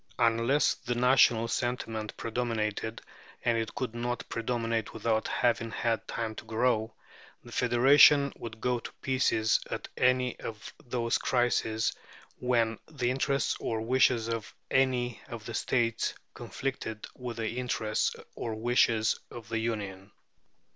Unless the national sentiment predominated and it could not predominate without having had time to grow the federation would go to pieces at any of those crises when the interests or wishes of any of the states conflicted with the interests or wishes of the Union.